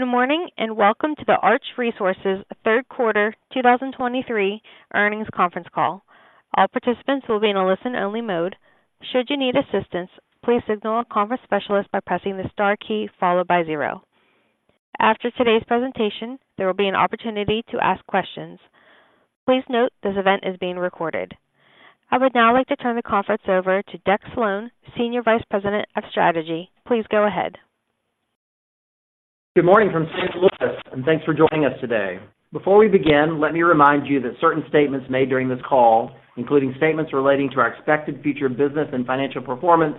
Good morning, and welcome to the Arch Resources Third Quarter 2023 earnings conference call. All participants will be in a listen-only mode. Should you need assistance, please signal a conference specialist by pressing the star key followed by zero. After today's presentation, there will be an opportunity to ask questions. Please note this event is being recorded. I would now like to turn the conference over to Deck Slone, Senior Vice President of Strategy. Please go ahead. Good morning from St. Louis, and thanks for joining us today. Before we begin, let me remind you that certain statements made during this call, including statements relating to our expected future business and financial performance,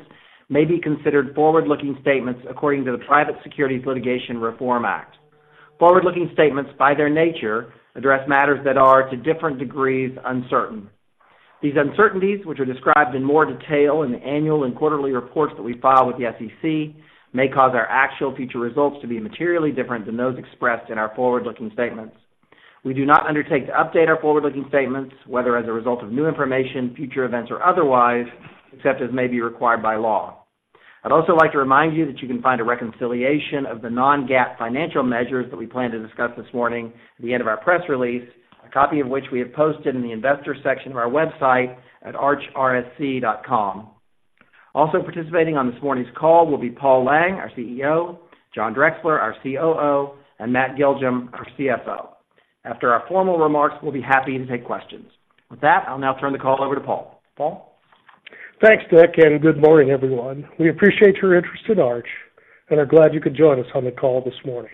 may be considered forward-looking statements according to the Private Securities Litigation Reform Act. Forward-looking statements, by their nature, address matters that are, to different degrees, uncertain. These uncertainties, which are described in more detail in the annual and quarterly reports that we file with the SEC, may cause our actual future results to be materially different than those expressed in our forward-looking statements. We do not undertake to update our forward-looking statements, whether as a result of new information, future events, or otherwise, except as may be required by law. I'd also like to remind you that you can find a reconciliation of the non-GAAP financial measures that we plan to discuss this morning at the end of our press release, a copy of which we have posted in the Investors section of our website at archrsc.com. Also participating on this morning's call will be Paul Lang, our CEO, John Drexler, our COO, and Matt Giljum, our CFO. After our formal remarks, we'll be happy to take questions. With that, I'll now turn the call over to Paul. Paul? Thanks, Deck, and good morning, everyone. We appreciate your interest in Arch and are glad you could join us on the call this morning.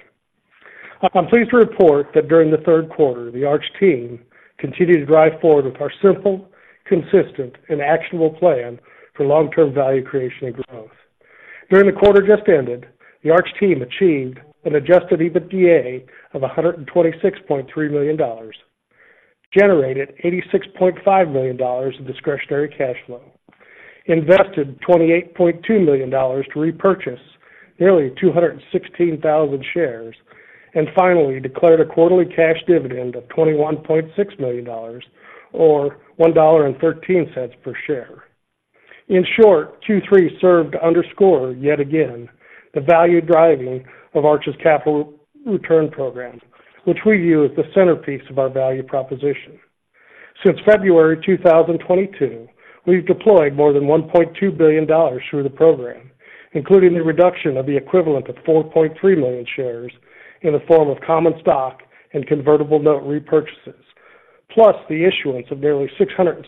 I'm pleased to report that during the third quarter, the Arch team continued to drive forward with our simple, consistent, and actionable plan for long-term value creation and growth. During the quarter just ended, the Arch team achieved an Adjusted EBITDA of $126.3 million, generated $86.5 million in discretionary cash flow, invested $28.2 million to repurchase nearly 216,000 shares, and finally, declared a quarterly cash dividend of $21.6 million, or $1.13 per share. In short, Q3 served to underscore, yet again, the value driving of Arch's capital return program, which we view as the centerpiece of our value proposition. Since February 2022, we've deployed more than $1.2 billion through the program, including the reduction of the equivalent of 4.3 million shares in the form of common stock and convertible note repurchases, plus the issuance of nearly $662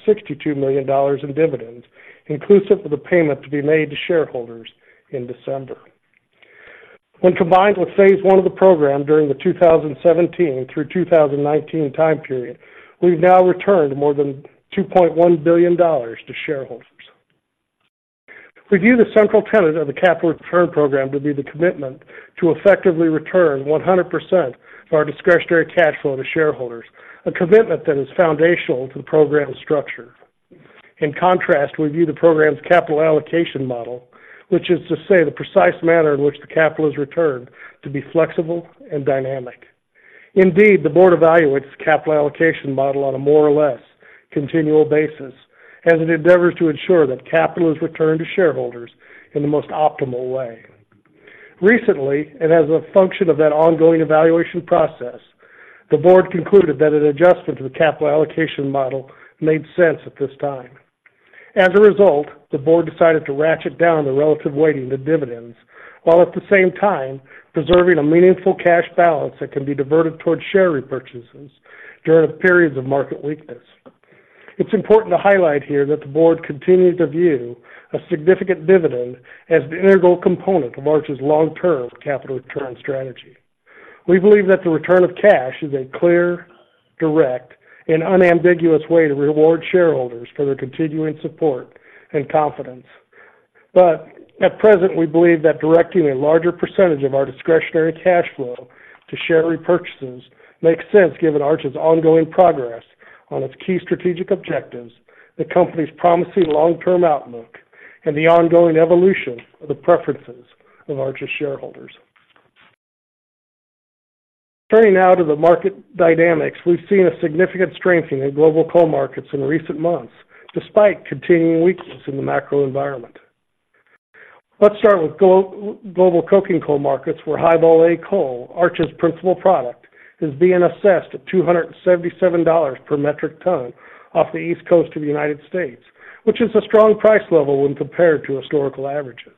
million in dividends, inclusive of the payment to be made to shareholders in December. When combined with phase one of the program during the 2017 through 2019 time period, we've now returned more than $2.1 billion to shareholders. We view the central tenet of the capital return program to be the commitment to effectively return 100% of our discretionary cash flow to shareholders, a commitment that is foundational to the program's structure. In contrast, we view the program's capital allocation model, which is to say the precise manner in which the capital is returned, to be flexible and dynamic. Indeed, the board evaluates the capital allocation model on a more or less continual basis as it endeavors to ensure that capital is returned to shareholders in the most optimal way. Recently, and as a function of that ongoing evaluation process, the board concluded that an adjustment to the capital allocation model made sense at this time. As a result, the board decided to ratchet down the relative weighting to dividends, while at the same time preserving a meaningful cash balance that can be diverted towards share repurchases during periods of market weakness. It's important to highlight here that the board continues to view a significant dividend as an integral component of Arch's long-term capital return strategy. We believe that the return of cash is a clear, direct, and unambiguous way to reward shareholders for their continuing support and confidence. But at present, we believe that directing a larger percentage of our discretionary cash flow to share repurchases makes sense, given Arch's ongoing progress on its key strategic objectives, the company's promising long-term outlook, and the ongoing evolution of the preferences of Arch's shareholders. Turning now to the market dynamics, we've seen a significant strengthening in global coal markets in recent months, despite continuing weakness in the macro environment. Let's start with global coking coal markets, where High-Vol A coal, Arch's principal product, is being assessed at $277 per metric ton off the East Coast of the United States, which is a strong price level when compared to historical averages.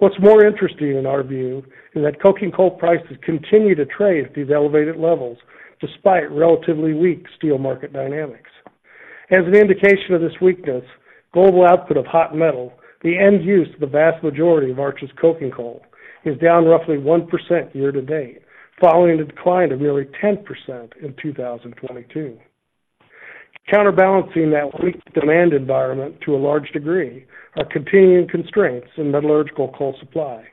What's more interesting, in our view, is that coking coal prices continue to trade at these elevated levels despite relatively weak steel market dynamics. As an indication of this weakness, global output of hot metal, the end use of the vast majority of Arch's coking coal, is down roughly 1% year to date, following a decline of nearly 10% in 2022. Counterbalancing that weak demand environment to a large degree are continuing constraints in metallurgical coal supply.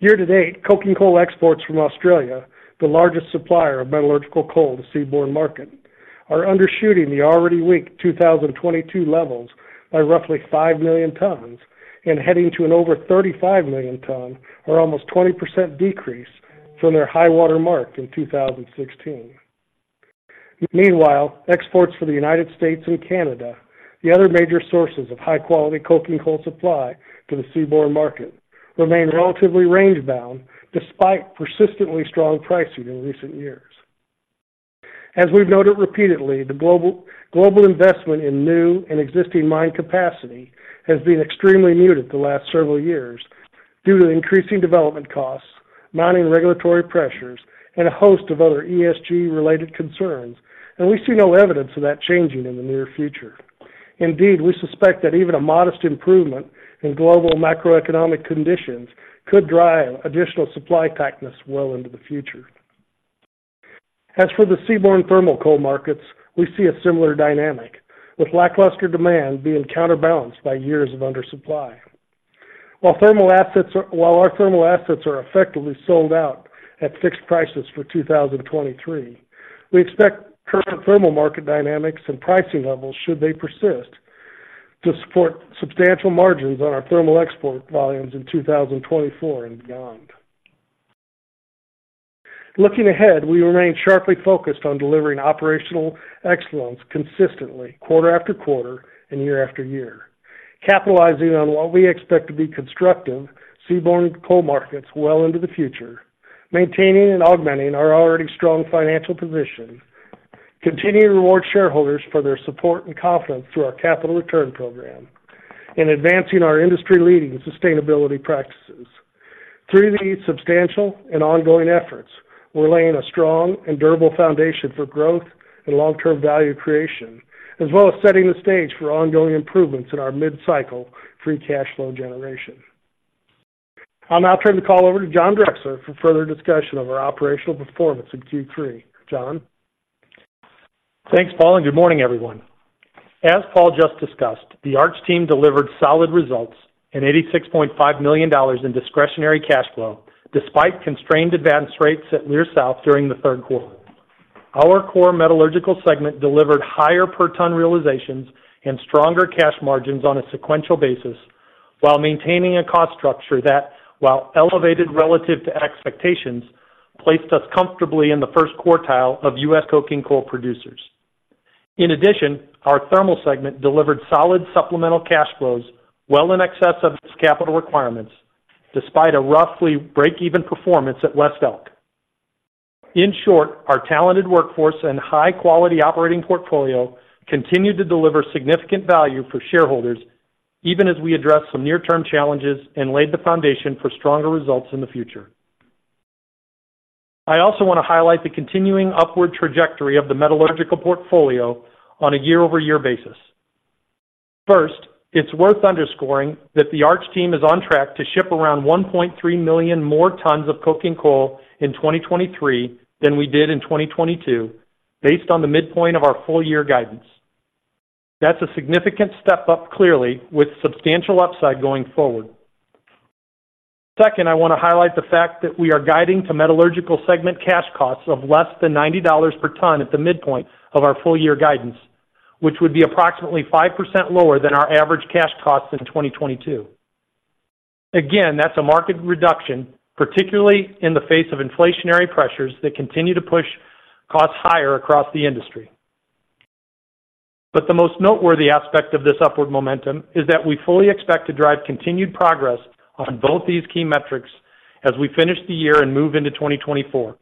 Year to date, coking coal exports from Australia, the largest supplier of metallurgical coal to seaborne market, are undershooting the already weak 2022 levels by roughly 5 million tons and heading to an over 35 million ton, or almost 20% decrease from their high-water mark in 2016. Meanwhile, exports for the United States and Canada, the other major sources of high-quality coking coal supply to the seaborne market, remain relatively range-bound, despite persistently strong pricing in recent years. As we've noted repeatedly, the global investment in new and existing mine capacity has been extremely muted the last several years due to increasing development costs, mounting regulatory pressures, and a host of other ESG-related concerns, and we see no evidence of that changing in the near future. Indeed, we suspect that even a modest improvement in global macroeconomic conditions could drive additional supply tightness well into the future. As for the seaborne thermal coal markets, we see a similar dynamic, with lackluster demand being counterbalanced by years of undersupply. While our thermal assets are effectively sold out at fixed prices for 2023, we expect current thermal market dynamics and pricing levels, should they persist, to support substantial margins on our thermal export volumes in 2024 and beyond. Looking ahead, we remain sharply focused on delivering operational excellence consistently, quarter after quarter and year after year, capitalizing on what we expect to be constructive seaborne coal markets well into the future, maintaining and augmenting our already strong financial position, continuing to reward shareholders for their support and confidence through our capital return program, and advancing our industry-leading sustainability practices. Through these substantial and ongoing efforts, we're laying a strong and durable foundation for growth and long-term value creation, as well as setting the stage for ongoing improvements in our mid-cycle free cash flow generation. I'll now turn the call over to John Drexler for further discussion of our operational performance in Q3. John? Thanks, Paul, and good morning, everyone. As Paul just discussed, the Arch team delivered solid results and $86.5 million in discretionary cash flow, despite constrained advance rates at Leer South during the third quarter. Our core metallurgical segment delivered higher per-ton realizations and stronger cash margins on a sequential basis, while maintaining a cost structure that, while elevated relative to expectations, placed us comfortably in the first quartile of U.S. coking coal producers. In addition, our thermal segment delivered solid supplemental cash flows well in excess of its capital requirements, despite a roughly break-even performance at West Elk. In short, our talented workforce and high-quality operating portfolio continued to deliver significant value for shareholders, even as we addressed some near-term challenges and laid the foundation for stronger results in the future. I also want to highlight the continuing upward trajectory of the metallurgical portfolio on a year-over-year basis. First, it's worth underscoring that the Arch team is on track to ship around 1.3 million more tons of coking coal in 2023 than we did in 2022, based on the midpoint of our full-year guidance. That's a significant step up, clearly, with substantial upside going forward. Second, I want to highlight the fact that we are guiding to metallurgical segment cash costs of less than $90 per ton at the midpoint of our full-year guidance, which would be approximately 5% lower than our average cash costs in 2022. Again, that's a market reduction, particularly in the face of inflationary pressures that continue to push costs higher across the industry. But the most noteworthy aspect of this upward momentum is that we fully expect to drive continued progress on both these key metrics as we finish the year and move into 2024,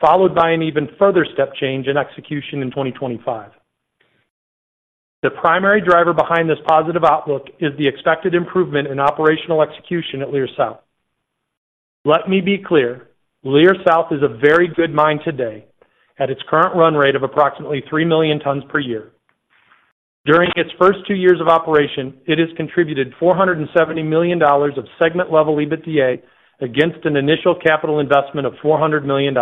followed by an even further step change in execution in 2025. The primary driver behind this positive outlook is the expected improvement in operational execution at Leer South. Let me be clear, Leer South is a very good mine today at its current run rate of approximately 3 million tons per year. During its first two years of operation, it has contributed $470 million of segment-level EBITDA against an initial capital investment of $400 million.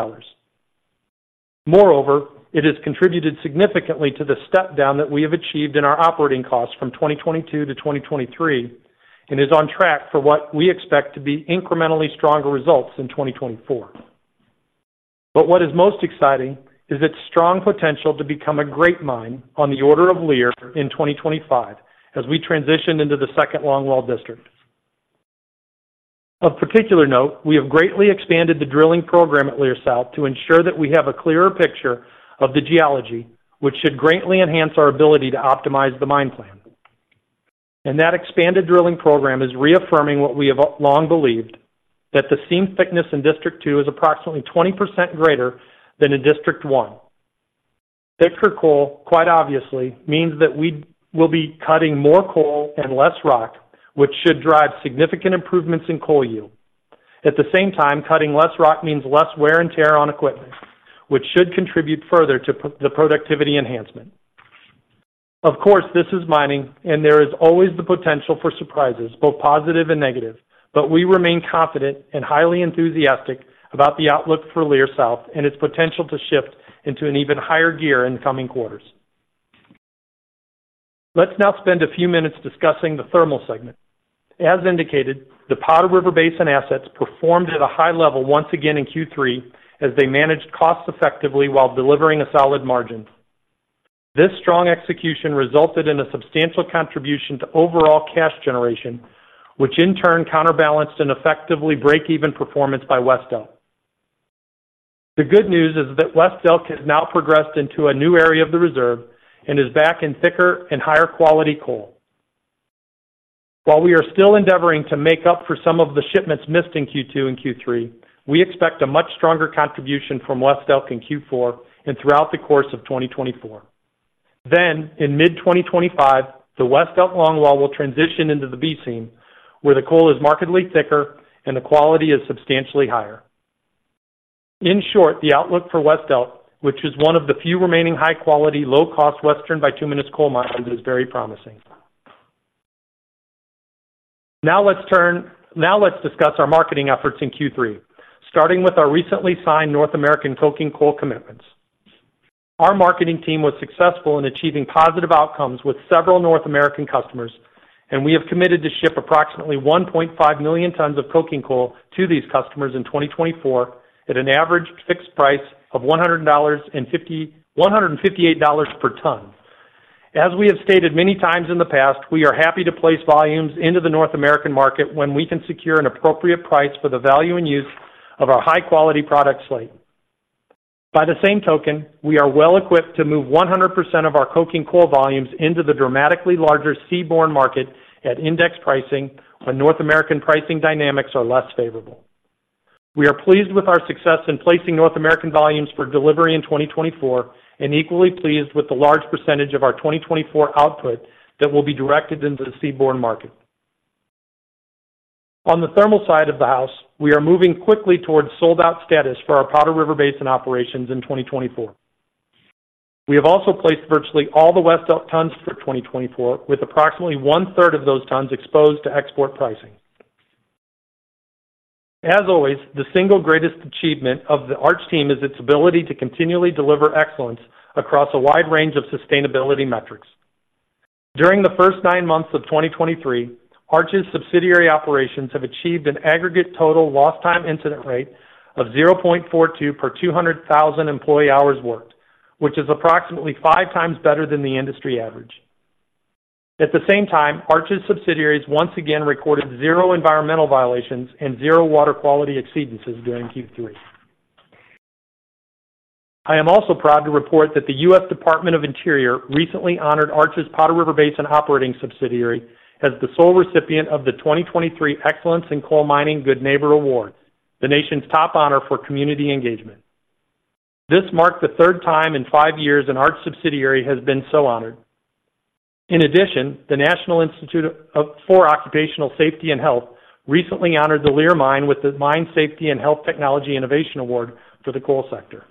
Moreover, it has contributed significantly to the step-down that we have achieved in our operating costs from 2022 to 2023 and is on track for what we expect to be incrementally stronger results in 2024. But what is most exciting is its strong potential to become a great mine on the order of Leer in 2025 as we transition into the second longwall district. Of particular note, we have greatly expanded the drilling program at Leer South to ensure that we have a clearer picture of the geology, which should greatly enhance our ability to optimize the mine plan. And that expanded drilling program is reaffirming what we have long believed, that the seam thickness in District Two is approximately 20% greater than in District One. Thicker coal, quite obviously, means that we will be cutting more coal and less rock, which should drive significant improvements in coal yield. At the same time, cutting less rock means less wear and tear on equipment, which should contribute further to the productivity enhancement. Of course, this is mining, and there is always the potential for surprises, both positive and negative, but we remain confident and highly enthusiastic about the outlook for Leer South and its potential to shift into an even higher gear in the coming quarters. Let's now spend a few minutes discussing the thermal segment. As indicated, the Powder River Basin assets performed at a high level once again in Q3 as they managed costs effectively while delivering a solid margin. This strong execution resulted in a substantial contribution to overall cash generation, which in turn counterbalanced an effectively break-even performance by West Elk. The good news is that West Elk has now progressed into a new area of the reserve and is back in thicker and higher-quality coal. While we are still endeavoring to make up for some of the shipments missed in Q2 and Q3, we expect a much stronger contribution from West Elk in Q4 and throughout the course of 2024. Then, in mid-2025, the West Elk longwall will transition into the B Seam, where the coal is markedly thicker and the quality is substantially higher. In short, the outlook for West Elk, which is one of the few remaining high-quality, low-cost western Bituminous coal mines, is very promising. Now let's discuss our marketing efforts in Q3, starting with our recently signed North American coking coal commitments. Our marketing team was successful in achieving positive outcomes with several North American customers, and we have committed to ship approximately 1.5 million tons of coking coal to these customers in 2024 at an average fixed price of $158 per ton. As we have stated many times in the past, we are happy to place volumes into the North American market when we can secure an appropriate price for the value and use of our high-quality product slate. By the same token, we are well-equipped to move 100% of our coking coal volumes into the dramatically larger seaborne market at index pricing when North American pricing dynamics are less favorable. We are pleased with our success in placing North American volumes for delivery in 2024 and equally pleased with the large percentage of our 2024 output that will be directed into the seaborne market. On the thermal side of the house, we are moving quickly towards sold-out status for our Powder River Basin operations in 2024. We have also placed virtually all the West Elk tons for 2024, with approximately 1/3 of those tons exposed to export pricing. As always, the single greatest achievement of the Arch team is its ability to continually deliver excellence across a wide range of sustainability metrics. During the first 9 months of 2023, Arch's subsidiary operations have achieved an aggregate total lost time incident rate of 0.42 per 200,000 employee hours worked, which is approximately 5 times better than the industry average. At the same time, Arch's subsidiaries once again recorded zero environmental violations and zero water quality exceedances during Q3. I am also proud to report that the U.S. Department of the Interior recently honored Arch's Powder River Basin operating subsidiary as the sole recipient of the 2023 Excellence in Coal Mining Good Neighbor Award, the nation's top honor for community engagement. This marked the third time in five years an Arch subsidiary has been so honored. In addition, the National Institute for Occupational Safety and Health recently honored the Leer Mine with the Mine Safety and Health Technology Innovation Award for the coal sector.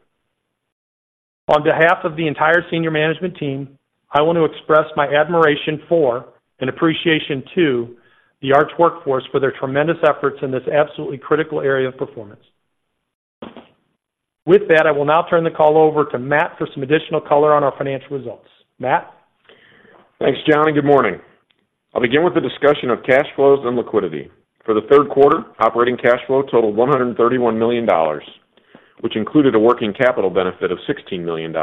On behalf of the entire senior management team, I want to express my admiration for and appreciation to the Arch workforce for their tremendous efforts in this absolutely critical area of performance. With that, I will now turn the call over to Matt for some additional color on our financial results. Matt? Thanks, John, and good morning. I'll begin with a discussion of cash flows and liquidity. For the third quarter, operating cash flow totaled $131 million, which included a working capital benefit of $16 million.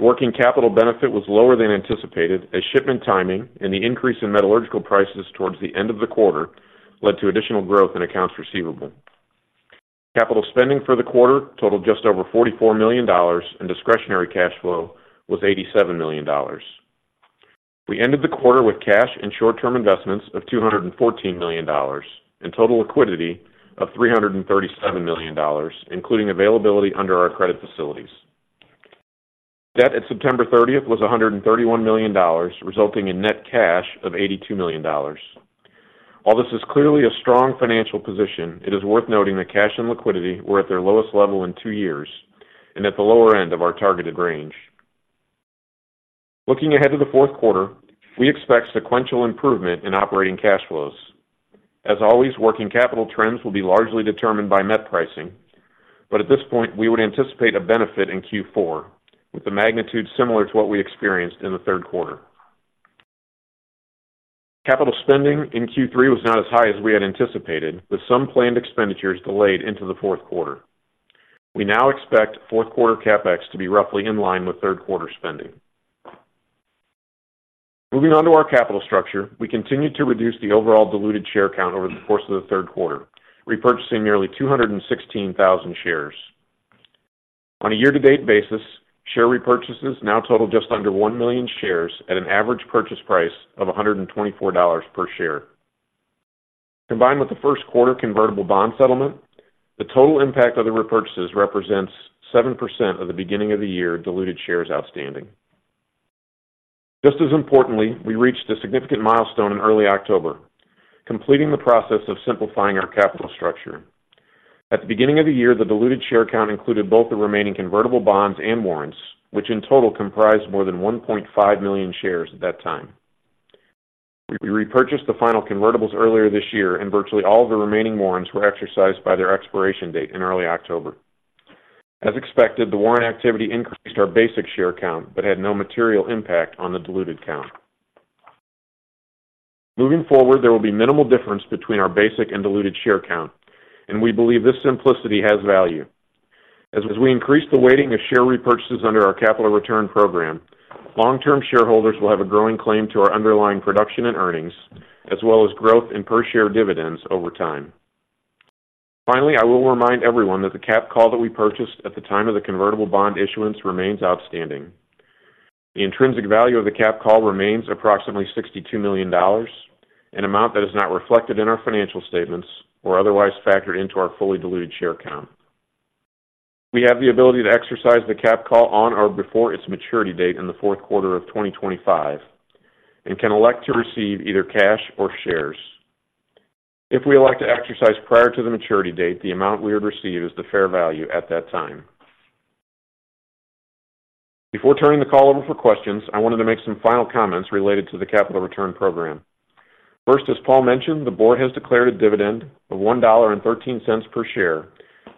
Working capital benefit was lower than anticipated, as shipment timing and the increase in metallurgical prices towards the end of the quarter led to additional growth in accounts receivable. Capital spending for the quarter totaled just over $44 million, and discretionary cash flow was $87 million. We ended the quarter with cash and short-term investments of $214 million, and total liquidity of $337 million, including availability under our credit facilities. Debt at September thirtieth was $131 million, resulting in net cash of $82 million. While this is clearly a strong financial position, it is worth noting that cash and liquidity were at their lowest level in two years and at the lower end of our targeted range. Looking ahead to the fourth quarter, we expect sequential improvement in operating cash flows. As always, working capital trends will be largely determined by met pricing, but at this point, we would anticipate a benefit in Q4, with the magnitude similar to what we experienced in the third quarter. Capital spending in Q3 was not as high as we had anticipated, with some planned expenditures delayed into the fourth quarter. We now expect fourth quarter CapEx to be roughly in line with third quarter spending. Moving on to our capital structure, we continued to reduce the overall diluted share count over the course of the third quarter, repurchasing nearly 216,000 shares. On a year-to-date basis, share repurchases now total just under 1 million shares at an average purchase price of $124 per share. Combined with the first quarter convertible bond settlement, the total impact of the repurchases represents 7% of the beginning of the year diluted shares outstanding. Just as importantly, we reached a significant milestone in early October, completing the process of simplifying our capital structure. At the beginning of the year, the diluted share count included both the remaining convertible bonds and warrants, which in total comprised more than 1.5 million shares at that time. We repurchased the final convertibles earlier this year, and virtually all of the remaining warrants were exercised by their expiration date in early October. As expected, the warrant activity increased our basic share count, but had no material impact on the diluted count. Moving forward, there will be minimal difference between our basic and diluted share count, and we believe this simplicity has value. As we increase the weighting of share repurchases under our capital return program, long-term shareholders will have a growing claim to our underlying production and earnings, as well as growth in per share dividends over time. Finally, I will remind everyone that the capped call that we purchased at the time of the convertible bond issuance remains outstanding. The intrinsic value of the capped call remains approximately $62 million, an amount that is not reflected in our financial statements or otherwise factored into our fully diluted share count. We have the ability to exercise the capped call on or before its maturity date in the fourth quarter of 2025, and can elect to receive either cash or shares. If we elect to exercise prior to the maturity date, the amount we would receive is the fair value at that time. Before turning the call over for questions, I wanted to make some final comments related to the capital return program. First, as Paul mentioned, the board has declared a dividend of $1.13 per share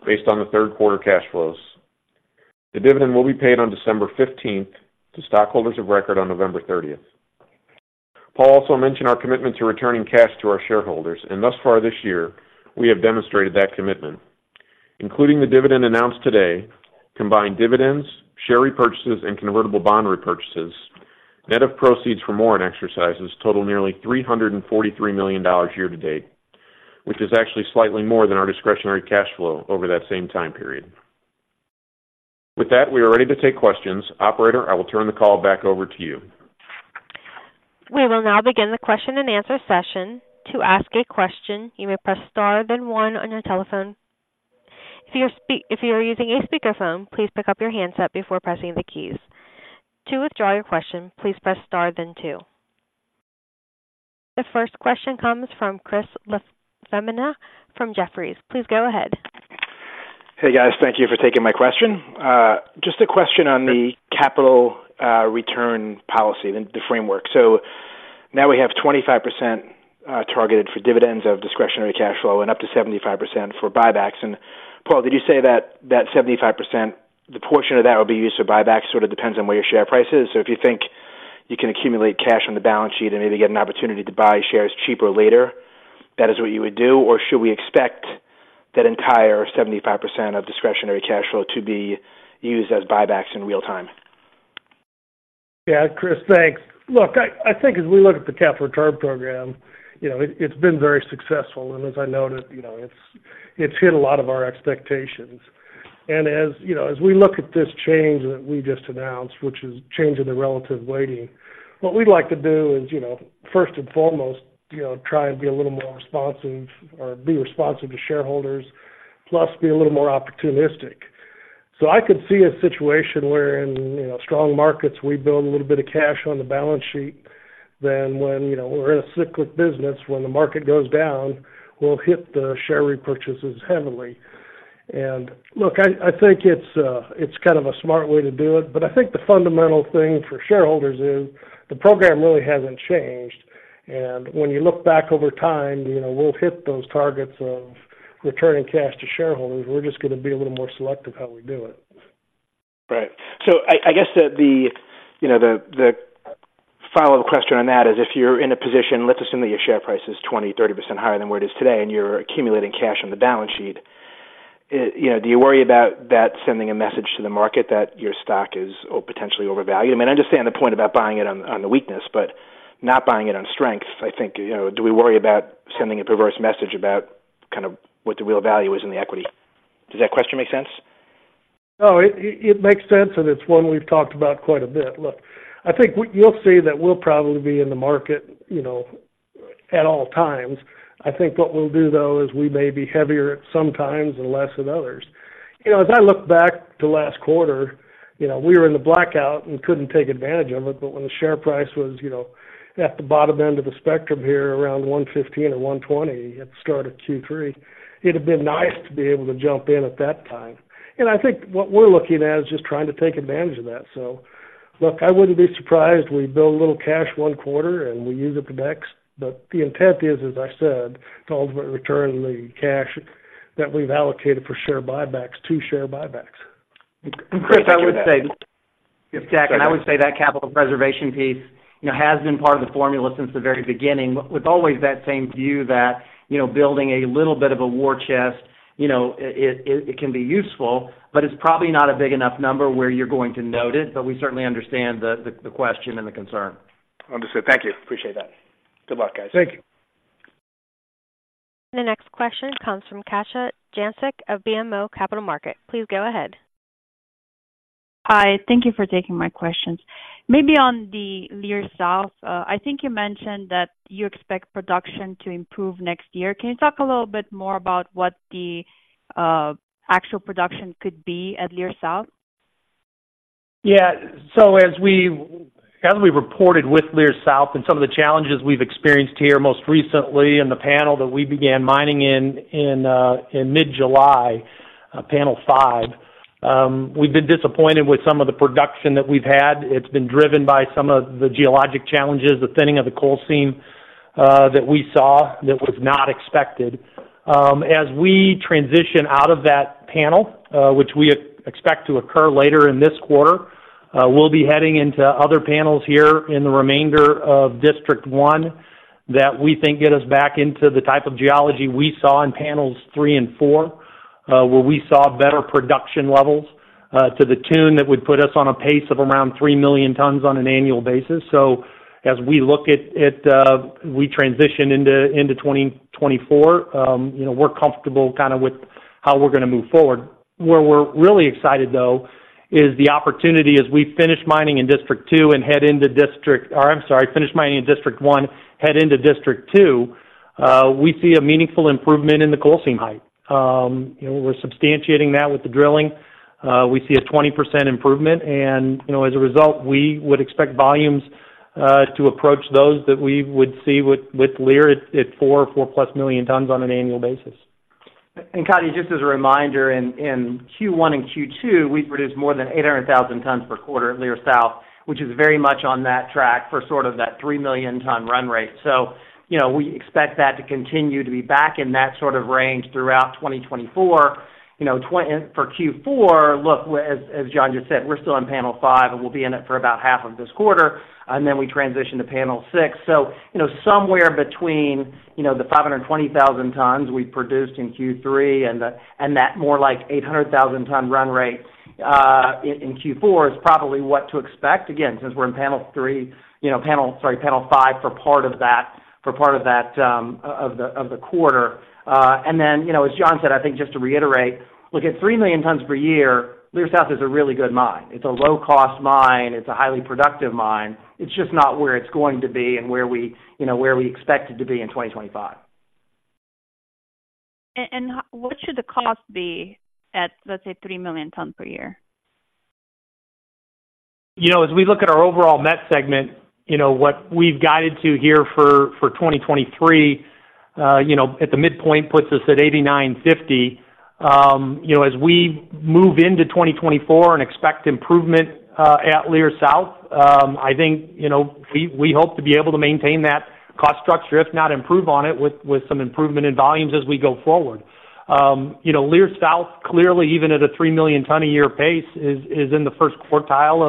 based on the third quarter cash flows. The dividend will be paid on December fifteenth to stockholders of record on November thirtieth. Paul also mentioned our commitment to returning cash to our shareholders, and thus far this year, we have demonstrated that commitment. Including the dividend announced today, combined dividends, share repurchases, and convertible bond repurchases, net of proceeds for warrant exercises total nearly $343 million year to date, which is actually slightly more than our discretionary cash flow over that same time period. With that, we are ready to take questions. Operator, I will turn the call back over to you. We will now begin the question-and-answer session. To ask a question, you may press star, then one on your telephone. If you are using a speakerphone, please pick up your handset before pressing the keys. To withdraw your question, please press star then two. The first question comes from Chris LaFemina from Jefferies. Please go ahead. Hey, guys. Thank you for taking my question. Just a question on the capital return policy, the framework. So now we have 25% targeted for dividends of discretionary cash flow and up to 75% for buybacks. And Paul, did you say that that 75%, the portion of that will be used for buybacks, sort of depends on where your share price is? So if you think you can accumulate cash on the balance sheet and maybe get an opportunity to buy shares cheaper later, that is what you would do, or should we expect that entire 75% of discretionary cash flow to be used as buybacks in real time? Yeah, Chris, thanks. Look, I think as we look at the capital return program, you know, it's been very successful, and as I noted, you know, it's hit a lot of our expectations. And as, you know, as we look at this change that we just announced, which is changing the relative weighting, what we'd like to do is, you know, first and foremost, you know, try and be a little more responsive or be responsive to shareholders, plus be a little more opportunistic. So I could see a situation where in, you know, strong markets, we build a little bit of cash on the balance sheet than when, you know, we're in a cyclical business. When the market goes down, we'll hit the share repurchases heavily. Look, I think it's kind of a smart way to do it, but I think the fundamental thing for shareholders is the program really hasn't changed. And when you look back over time, you know, we'll hit those targets of returning cash to shareholders. We're just gonna be a little more selective how we do it. Right. So I guess the follow-up question on that is if you're in a position, let's assume that your share price is 20%-30% higher than where it is today, and you're accumulating cash on the balance sheet, you know, do you worry about that sending a message to the market that your stock is potentially overvalued? I mean, I understand the point about buying it on the weakness, but not buying it on strength, I think, you know, do we worry about sending a perverse message about kind of what the real value is in the equity? Does that question make sense? No, it makes sense, and it's one we've talked about quite a bit. Look, I think we, you'll see that we'll probably be in the market, you know, at all times. I think what we'll do, though, is we may be heavier at some times and less than others. You know, as I look back to last quarter, you know, we were in the blackout and couldn't take advantage of it, but when the share price was, you know, at the bottom end of the spectrum here, around $115 or $120 at the start of Q3, it'd been nice to be able to jump in at that time. And I think what we're looking at is just trying to take advantage of that. So look, I wouldn't be surprised we build a little cash one quarter, and we use it the next. The intent is, as I said, to ultimately return the cash that we've allocated for share buybacks to share buybacks. And Chris, I would say, this is Jack, and I would say that capital preservation piece, you know, has been part of the formula since the very beginning, with always that same view that, you know, building a little bit of a war chest, you know, it can be useful, but it's probably not a big enough number where you're going to note it, but we certainly understand the question and the concern. Understood. Thank you. Appreciate that. Good luck, guys. Thank you. The next question comes from Katja Jancic of BMO Capital Markets. Please go ahead. Hi, thank you for taking my questions. Maybe on the Leer South, I think you mentioned that you expect production to improve next year. Can you talk a little bit more about what the actual production could be at Leer South? Yeah. So as we reported with Leer South and some of the challenges we've experienced here most recently in the panel that we began mining in mid-July, panel five, we've been disappointed with some of the production that we've had. It's been driven by some of the geologic challenges, the thinning of the coal seam that we saw that was not expected. As we transition out of that panel, which we expect to occur later in this quarter. We'll be heading into other panels here in the remainder of District One, that we think get us back into the type of geology we saw in panels 3 and 4, where we saw better production levels to the tune that would put us on a pace of around 3 million tons on an annual basis. So as we look at, we transition into 2024, you know, we're comfortable kind of with how we're gonna move forward. Where we're really excited, though, is the opportunity as we finish mining in District Two and head into district - or I'm sorry, finish mining in District One, head into District Two, we see a meaningful improvement in the coal seam height. You know, we're substantiating that with the drilling. We see a 20% improvement, and, you know, as a result, we would expect volumes to approach those that we would see with Leer at 4+ million tons on an annual basis. And Katja, just as a reminder, in Q1 and Q2, we've produced more than 800,000 tons per quarter at Leer South, which is very much on that track for sort of that 3 million ton run rate. So, you know, we expect that to continue to be back in that sort of range throughout 2024. You know, and for Q4, look, as John just said, we're still in panel five, and we'll be in it for about half of this quarter, and then we transition to panel six. So, you know, somewhere between, you know, the 520,000 tons we produced in Q3 and that more like 800,000 ton run rate in Q4 is probably what to expect. Again, since we're in panel three, you know, panel—sorry, panel five for part of that, for part of that, of the quarter. And then, you know, as John said, I think just to reiterate, look, at 3 million tons per year, Leer South is a really good mine. It's a low-cost mine. It's a highly productive mine. It's just not where it's going to be and where we, you know, where we expect it to be in 2025. What should the cost be at, let's say, 3 million tons per year? You know, as we look at our overall met segment, you know, what we've guided to here for 2023, you know, at the midpoint, puts us at $89.50. You know, as we move into 2024 and expect improvement at Leer South, I think, you know, we hope to be able to maintain that cost structure, if not improve on it, with some improvement in volumes as we go forward. You know, Leer South, clearly, even at a 3 million tons a year pace, is in the first quartile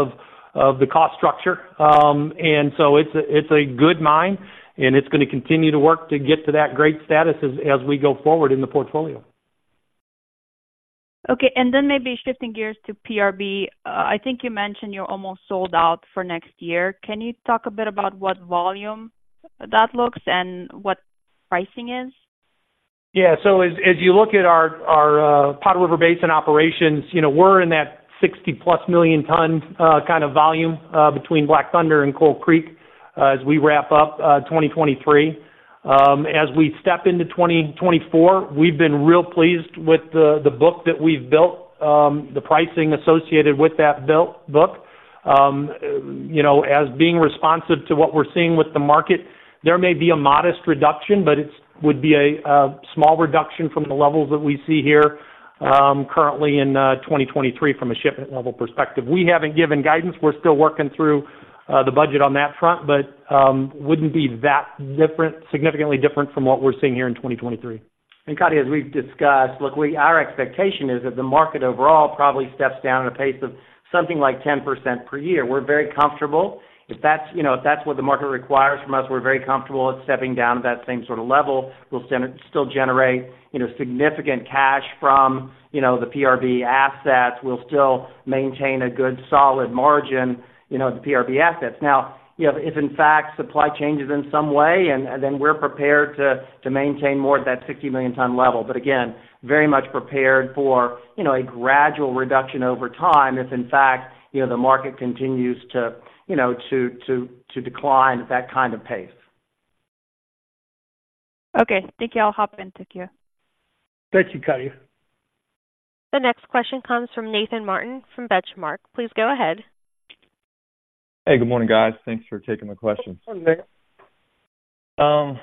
of the cost structure. And so it's a good mine, and it's gonna continue to work to get to that great status as we go forward in the portfolio. Okay, and then maybe shifting gears to PRB. I think you mentioned you're almost sold out for next year. Can you talk a bit about what volume that looks like and what pricing is? Yeah. So as you look at our Powder River Basin operations, you know, we're in that 60+ million ton kind of volume between Black Thunder and Coal Creek as we wrap up 2023. As we step into 2024, we've been real pleased with the book that we've built, the pricing associated with that built book. You know, as being responsive to what we're seeing with the market, there may be a modest reduction, but would be a small reduction from the levels that we see here currently in 2023 from a shipment level perspective. We haven't given guidance. We're still working through the budget on that front, but wouldn't be that different, significantly different from what we're seeing here in 2023. And Katja, as we've discussed, look, our expectation is that the market overall probably steps down at a pace of something like 10% per year. We're very comfortable. If that's, you know, if that's what the market requires from us, we're very comfortable with stepping down to that same sort of level. We'll still generate, you know, significant cash from, you know, the PRB assets. We'll still maintain a good, solid margin, you know, the PRB assets. Now, you know, if, in fact, supply changes in some way, and then we're prepared to maintain more of that 60 million ton level, but again, very much prepared for, you know, a gradual reduction over time if, in fact, you know, the market continues to, you know, decline at that kind of pace. Okay. Thank you. I'll hop in. Thank you. Thank you, Katja. The next question comes from Nathan Martin, from Benchmark. Please go ahead. Hey, good morning, guys. Thanks for taking my questions. Good morning, Nathan.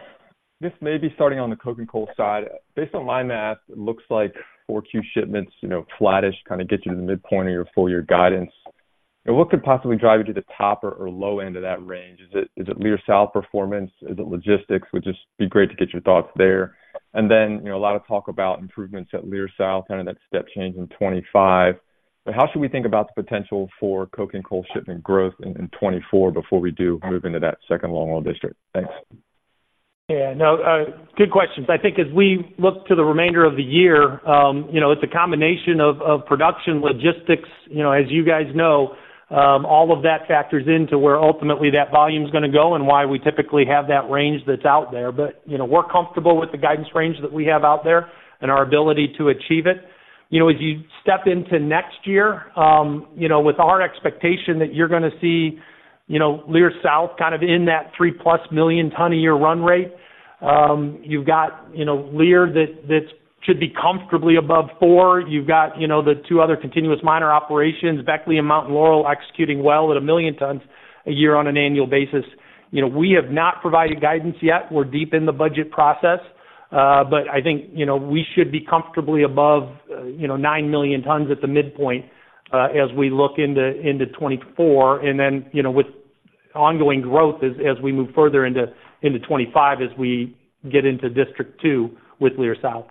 This may be starting on the coking coal side. Based on my math, it looks like 4Q shipments, you know, flattish, kind of gets you to the midpoint of your full year guidance. And what could possibly drive you to the top or, or low end of that range? Is it, is it Leer South performance? Is it logistics? Would just be great to get your thoughts there. And then, you know, a lot of talk about improvements at Leer South, kind of that step change in 2025. But how should we think about the potential for coking coal shipment growth in, in 2024 before we do move into that second Longwall district? Thanks. Yeah. No, good questions. I think as we look to the remainder of the year, you know, it's a combination of production, logistics. You know, as you guys know, all of that factors into where ultimately that volume's gonna go and why we typically have that range that's out there. But, you know, we're comfortable with the guidance range that we have out there and our ability to achieve it. You know, as you step into next year, you know, with our expectation that you're gonna see, you know, Leer South kind of in that 3+ million ton a year run rate, you've got, you know, Leer that should be comfortably above 4. You've got, you know, the two other continuous miner operations, Beckley and Mountain Laurel, executing well at a million tons a year on an annual basis. You know, we have not provided guidance yet. We're deep in the budget process, but I think, you know, we should be comfortably above, you know, 9 million tons at the midpoint, as we look into 2024, and then, you know, with ongoing growth as we move further into 2025, as we get into District Two with Leer South.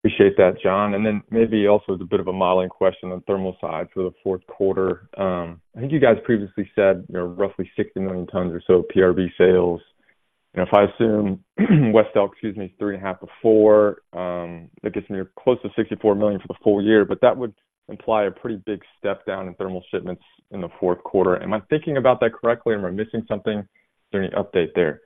Appreciate that, John. And then maybe also as a bit of a modeling question on thermal side for the fourth quarter. I think you guys previously said, you know, roughly 60 million tons or so PRB sales. And if I assume West Elk, excuse me, 3.5 of 4, that gets me close to 64 million for the full year, but that would imply a pretty big step down in thermal shipments in the fourth quarter. Am I thinking about that correctly, or am I missing something? Is there any update there?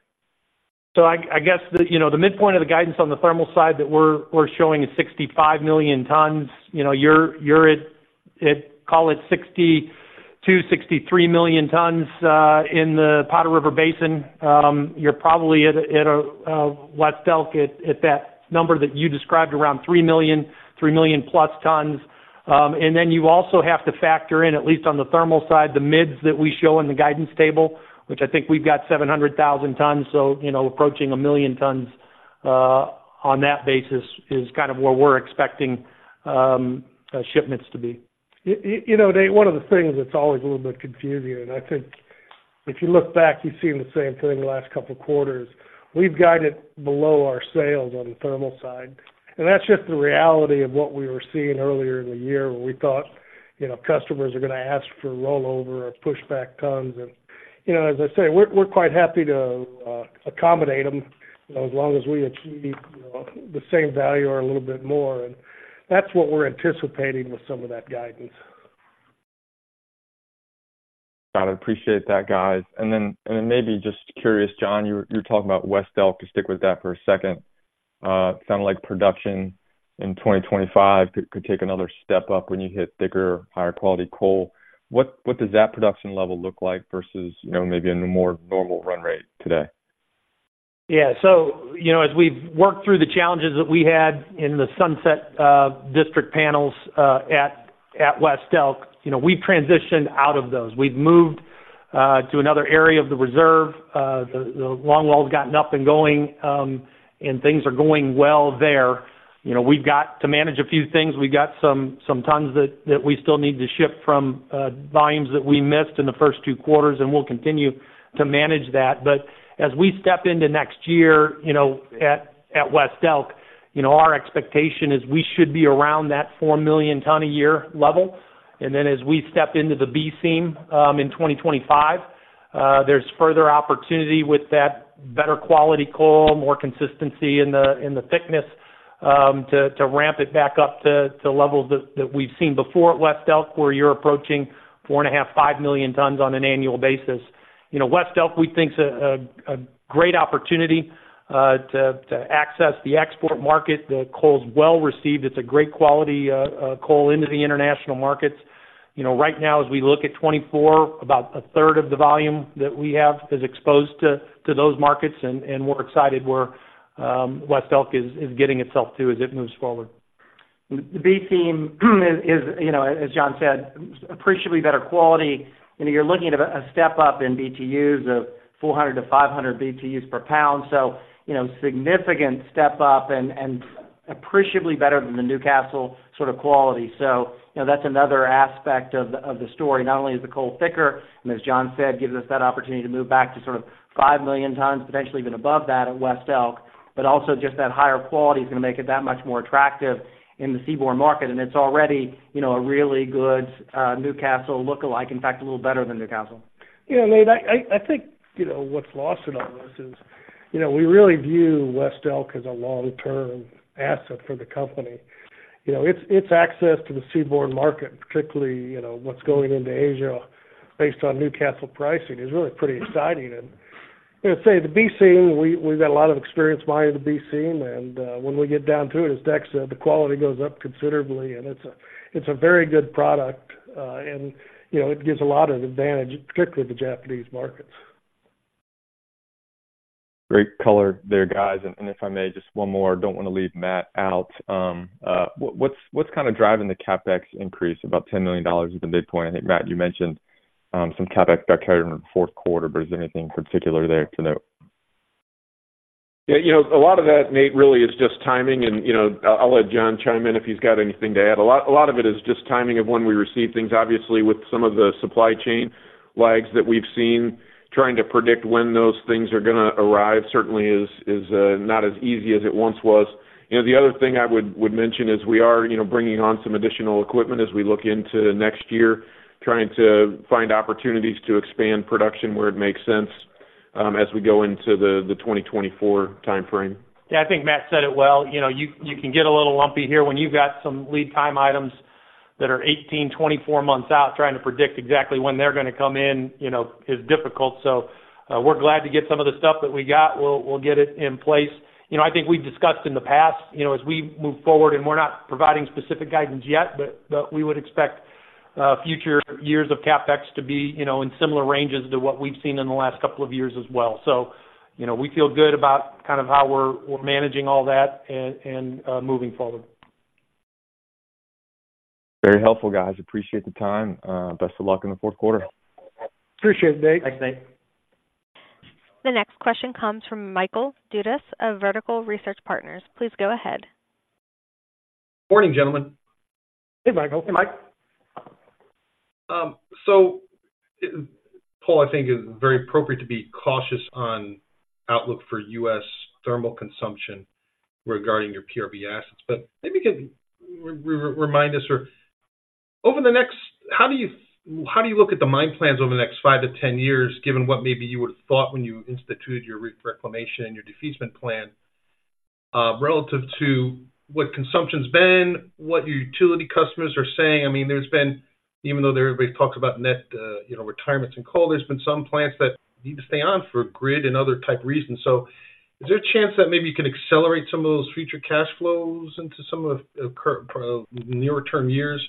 So I guess you know the midpoint of the guidance on the thermal side that we're showing is 65 million tons. You know, you're at, call it 62-63 million tons in the Powder River Basin. You're probably at West Elk at that number that you described, around 3 million+ tons. And then you also have to factor in, at least on the thermal side, the mids that we show in the guidance table, which I think we've got 700,000 tons. So, you know, approaching 1 million tons on that basis is kind of where we're expecting shipments to be. You know, Nate, one of the things that's always a little bit confusing, and I think if you look back, you've seen the same thing in the last couple of quarters. We've guided below our sales on the thermal side, and that's just the reality of what we were seeing earlier in the year, where we thought, you know, customers are gonna ask for rollover or pushback tons. And, you know, as I say, we're quite happy to accommodate them, you know, as long as we achieve, you know, the same value or a little bit more. And that's what we're anticipating with some of that guidance. Got it. Appreciate that, guys. And then maybe just curious, John, you were talking about West Elk, to stick with that for a second. Sounded like production in 2025 could take another step up when you hit thicker, higher quality coal. What does that production level look like versus, you know, maybe in a more normal run rate today? Yeah. So, you know, as we've worked through the challenges that we had in the sunset district panels at West Elk, you know, we've transitioned out of those. We've moved to another area of the reserve. The longwall's gotten up and going, and things are going well there. You know, we've got to manage a few things. We've got some tons that we still need to ship from volumes that we missed in the first two quarters, and we'll continue to manage that. But as we step into next year, you know, at West Elk, you know, our expectation is we should be around that 4 million ton a year level. Then, as we step into the B Seam, in 2025, there's further opportunity with that better quality coal, more consistency in the thickness, to ramp it back up to levels that we've seen before at West Elk, where you're approaching 4.5-5 million tons on an annual basis. You know, West Elk, we think, is a great opportunity to access the export market. The coal's well received. It's a great quality coal into the international markets. You know, right now, as we look at 2024, about a third of the volume that we have is exposed to those markets, and we're excited where West Elk is getting itself to as it moves forward. The B Seam, you know, as John said, appreciably better quality. You know, you're looking at a step up in BTUs of 400-500 BTUs per pound. So, you know, significant step up and appreciably better than the Newcastle sort of quality. So, you know, that's another aspect of the story. Not only is the coal thicker, and as John said, gives us that opportunity to move back to sort of 5 million tons, potentially even above that at West Elk, but also just that higher quality is gonna make it that much more attractive in the seaborne market. And it's already, you know, a really good Newcastle lookalike. In fact, a little better than Newcastle. Yeah, Nate, I think, you know, what's lost in all this is, you know, we really view West Elk as a long-term asset for the company. You know, it's access to the seaborne market, particularly, you know, what's going into Asia based on Newcastle pricing, is really pretty exciting. And, you know, say, the B Seam, we've got a lot of experience mining the B Seam, and when we get down to it, as Dex said, the quality goes up considerably, and it's a very good product. And, you know, it gives a lot of advantage, particularly the Japanese markets. Great color there, guys. And if I may, just one more. Don't want to leave Matt out. What's kind of driving the CapEx increase? About $10 million at the midpoint. I think, Matt, you mentioned some CapEx got carried in the fourth quarter, but is there anything particular there to note? Yeah, you know, a lot of that, Nate, really is just timing, and, you know, I'll, I'll let John chime in if he's got anything to add. A lot, a lot of it is just timing of when we receive things. Obviously, with some of the supply chain lags that we've seen, trying to predict when those things are gonna arrive certainly is, is, not as easy as it once was. You know, the other thing I would, would mention is we are, you know, bringing on some additional equipment as we look into next year, trying to find opportunities to expand production where it makes sense, as we go into the, the 2024 timeframe. Yeah, I think Matt said it well. You know, you can get a little lumpy here when you've got some lead time items that are 18, 24 months out, trying to predict exactly when they're gonna come in, you know, is difficult. So, we're glad to get some of the stuff that we got. We'll get it in place. You know, I think we've discussed in the past, you know, as we move forward, and we're not providing specific guidance yet, but we would expect future years of CapEx to be, you know, in similar ranges to what we've seen in the last couple of years as well. So, you know, we feel good about kind of how we're managing all that and moving forward. Very helpful, guys. Appreciate the time. Best of luck in the fourth quarter. Appreciate it, Nate. Thanks, Nate. The next question comes from Michael Dudas of Vertical Research Partners. Please go ahead. Morning, gentlemen. Hey, Michael. Hey, Mike. So, Paul, I think it's very appropriate to be cautious on outlook for U.S. thermal consumption regarding your PRB assets. But maybe you can remind us, or over the next, how do you, how do you look at the mine plans over the next 5-10 years, given what maybe you would have thought when you instituted your reclamation and your defeasance plan, relative to what consumption's been, what your utility customers are saying? I mean, there's been, even though everybody talks about net, you know, retirements and coal, there's been some plants that need to stay on for grid and other type reasons. So is there a chance that maybe you can accelerate some of those future cash flows into some of the nearer term years,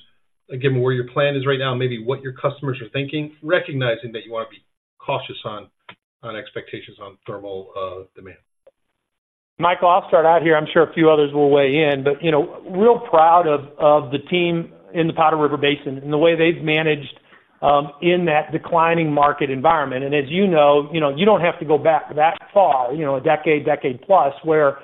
given where your plan is right now, maybe what your customers are thinking, recognizing that you want to be cautious on expectations on thermal demand? Mike, I'll start out here. I'm sure a few others will weigh in. But, you know, real proud of, of the team in the Powder River Basin and the way they've managed in that declining market environment. And as you know, you know, you don't have to go back that far, you know, a decade, decade plus, where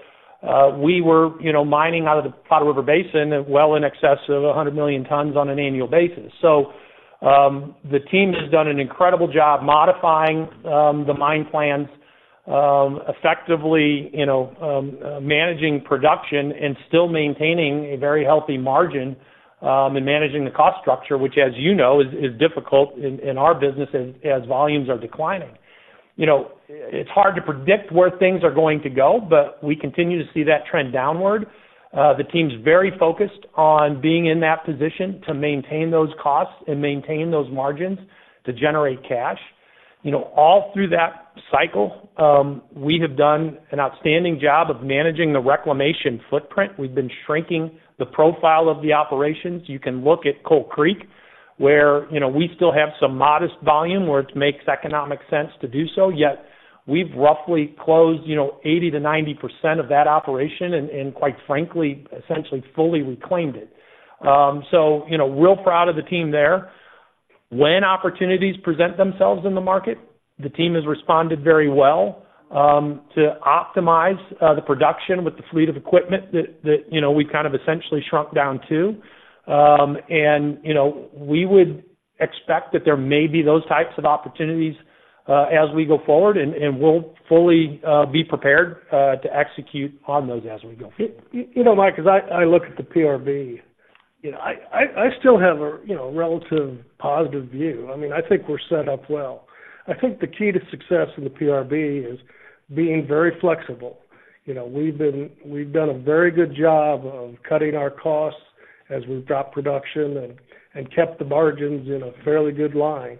we were, you know, mining out of the Powder River Basin well in excess of 100 million tons on an annual basis. So, the team has done an incredible job modifying the mine plans effectively, you know, managing production and still maintaining a very healthy margin and managing the cost structure, which, as you know, is, is difficult in, in our business as, as volumes are declining. You know, it's hard to predict where things are going to go, but we continue to see that trend downward. The team's very focused on being in that position to maintain those costs and maintain those margins to generate cash. You know, all through that cycle, we have done an outstanding job of managing the reclamation footprint. We've been shrinking the profile of the operations. You can look at Coal Creek, where, you know, we still have some modest volume where it makes economic sense to do so, yet we've roughly closed, you know, 80%-90% of that operation and quite frankly, essentially fully reclaimed it. So, you know, real proud of the team there. When opportunities present themselves in the market, the team has responded very well to optimize the production with the fleet of equipment that you know we've kind of essentially shrunk down to. And you know we would expect that there may be those types of opportunities as we go forward, and we'll fully be prepared to execute on those as we go. You know, Mike, as I look at the PRB, you know, I still have a relative positive view. I mean, I think we're set up well. I think the key to success in the PRB is being very flexible. You know, we've done a very good job of cutting our costs as we've dropped production and kept the margins in a fairly good line.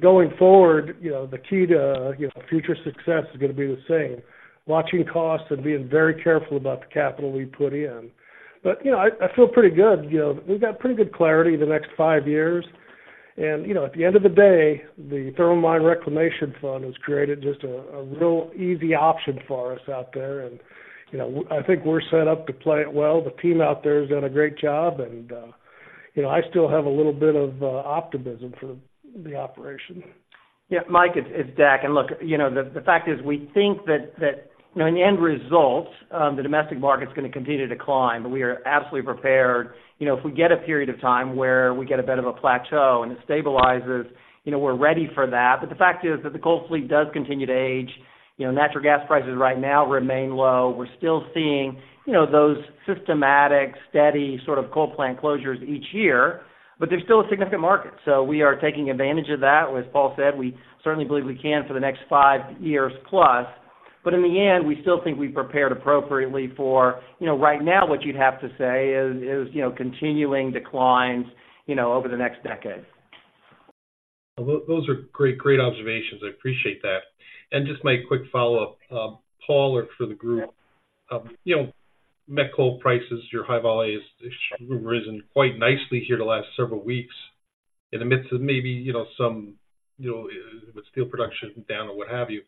Going forward, you know, the key to future success is gonna be the same: watching costs and being very careful about the capital we put in. But you know, I feel pretty good. You know, we've got pretty good clarity in the next five years. And you know, at the end of the day, the thermal mine reclamation fund has created just a real easy option for us out there. You know, I think we're set up to play it well. The team out there has done a great job, and, you know, I still have a little bit of optimism for the operation. Yeah, Mike, it's Deck. And look, you know, the fact is we think that, you know, in the end results, the domestic market is gonna continue to decline, but we are absolutely prepared. You know, if we get a period of time where we get a bit of a plateau and it stabilizes, you know, we're ready for that. But the fact is that the coal fleet does continue to age. You know, natural gas prices right now remain low. We're still seeing, you know, those systematic, steady sort of coal plant closures each year, but there's still a significant market. So we are taking advantage of that. As Paul said, we certainly believe we can for the next five years plus. But in the end, we still think we prepared appropriately for, you know, right now, what you'd have to say is, you know, continuing declines, you know, over the next decade. Those are great, great observations. I appreciate that. Just my quick follow-up, Paul, or for the group. You know, met coal prices, your high volume has risen quite nicely here the last several weeks in the midst of maybe, you know, some, you know, with steel production down or what have you.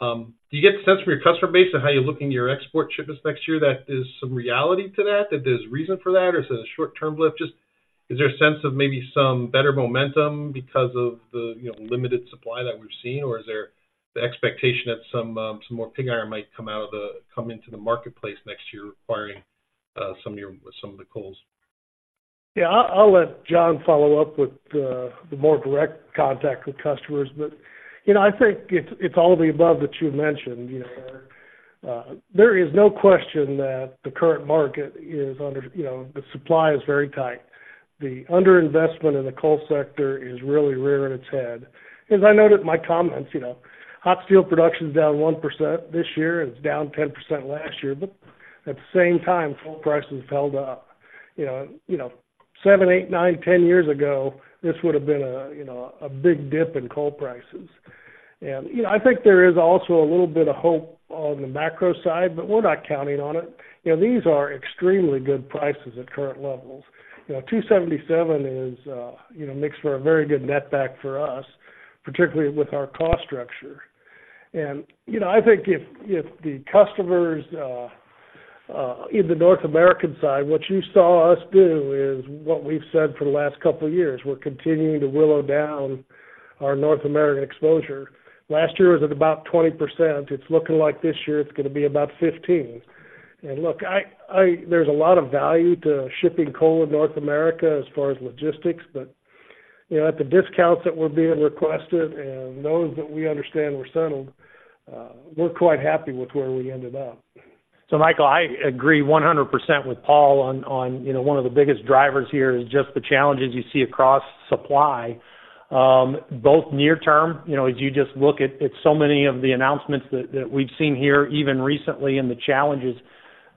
Do you get the sense from your customer base on how you're looking your export shipments next year, that there's some reality to that, that there's reason for that, or is it a short-term lift? Just, is there a sense of maybe some better momentum because of the, you know, limited supply that we've seen? Or is there the expectation that some, some more pig iron might come out of the, come into the marketplace next year, requiring, some of your, some of the coals? Yeah, I'll let John follow up with the more direct contact with customers. But, you know, I think it's all of the above that you mentioned, you know? There is no question that the current market, you know, the supply is very tight. The underinvestment in the coal sector is really rearing its head. As I noted in my comments, you know, hot steel production is down 1% this year, and it's down 10% last year, but at the same time, coal prices held up. You know, you know, seven, eight, nine, 10 years ago, this would have been a, you know, a big dip in coal prices. And, you know, I think there is also a little bit of hope on the macro side, but we're not counting on it. You know, these are extremely good prices at current levels. You know, $277 is, you know, makes for a very good net back for us, particularly with our cost structure. You know, I think if the customers in the North American side, what you saw us do is what we've said for the last couple of years. We're continuing to whittle down our North American exposure. Last year, it was at about 20%. It's looking like this year it's gonna be about 15%. And look, there's a lot of value to shipping coal in North America as far as logistics, but, you know, at the discounts that were being requested and those that we understand were settled, we're quite happy with where we ended up. So Michael, I agree 100% with Paul on you know, one of the biggest drivers here is just the challenges you see across supply. Both near term, you know, as you just look at so many of the announcements that we've seen here, even recently, and the challenges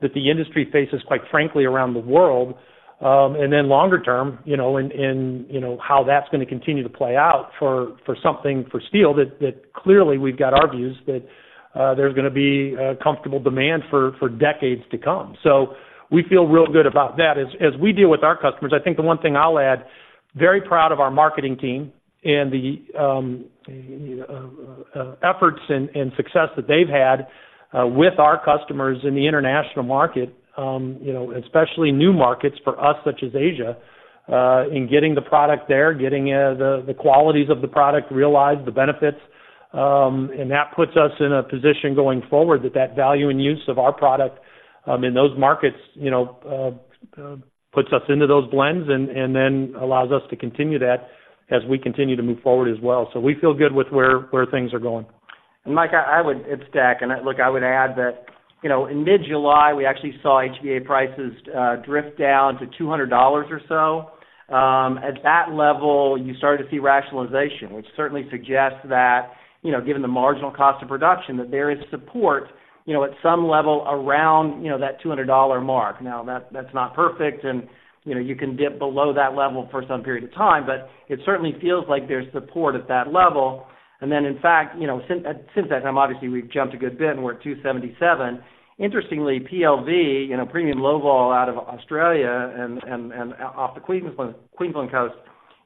that the industry faces, quite frankly, around the world. And then longer term, you know, how that's gonna continue to play out for something for steel that clearly we've got our views that there's gonna be a comfortable demand for decades to come. So we feel real good about that. As we deal with our customers, I think the one thing I'll add, very proud of our marketing team and the efforts and success that they've had with our customers in the international market, you know, especially new markets for us, such as Asia, in getting the product there, getting the qualities of the product realized, the benefits. And that puts us in a position going forward that value and use of our product in those markets, you know, puts us into those blends and then allows us to continue that as we continue to move forward as well. So we feel good with where things are going. Mike, I would, it's Deck, and look, I would add that, you know, in mid-July, we actually saw HVA prices drift down to $200 or so. At that level, you started to see rationalization, which certainly suggests that, you know, given the marginal cost of production, that there is support, you know, at some level around, you know, that $200 mark. Now, that's not perfect, and, you know, you can dip below that level for some period of time, but it certainly feels like there's support at that level. And then, in fact, you know, since that time, obviously, we've jumped a good bit, and we're at $277. Interestingly, PLV, you know, premium low vol out of Australia and off the Queensland coast,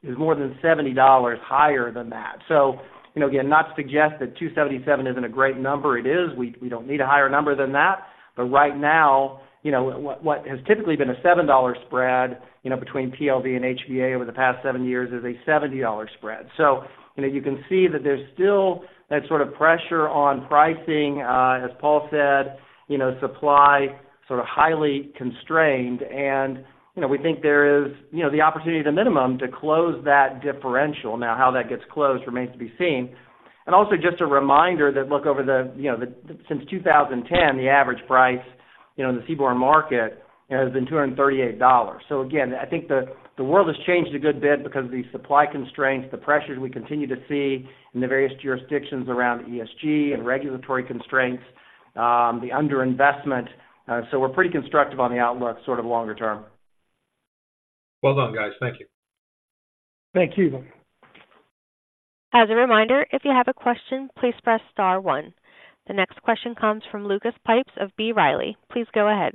is more than $70 higher than that. So, you know, again, not to suggest that 277 isn't a great number, it is. We, we don't need a higher number than that. But right now, you know, what, what has typically been a $7 spread, you know, between PLV and HVA over the past 7 years is a $70 spread. So, you know, you can see that there's still that sort of pressure on pricing. As Paul said, you know, supply sort of highly constrained, and, you know, we think there is, you know, the opportunity to minimum to close that differential. Now, how that gets closed remains to be seen. And also, just a reminder that look over the, you know, the since 2010, the average price, you know, in the seaborne market has been $238. So again, I think the world has changed a good bit because of the supply constraints, the pressures we continue to see in the various jurisdictions around ESG and regulatory constraints, the underinvestment. So we're pretty constructive on the outlook, sort of longer term. Well done, guys. Thank you. Thank you. As a reminder, if you have a question, please press star one. The next question comes from Lucas Pipes of B. Riley. Please go ahead.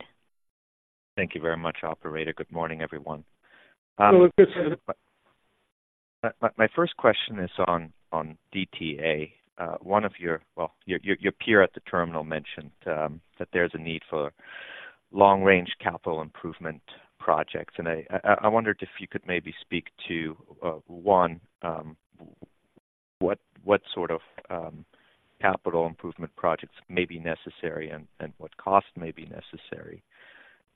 Thank you very much, operator. Good morning, everyone. Lucas. My first question is on DTA. One of your. Well, your peer at the terminal mentioned that there's a need for long-range capital improvement projects, and I wondered if you could maybe speak to one, what sort of capital improvement projects may be necessary and what cost may be necessary?